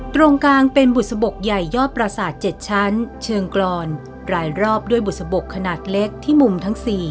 ตรงกลางเป็นบุษบกใหญ่ยอดประสาท๗ชั้นเชิงกรอนรายรอบด้วยบุษบกขนาดเล็กที่มุมทั้ง๔